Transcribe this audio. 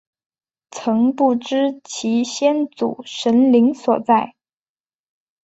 曾不知其先祖神灵所在。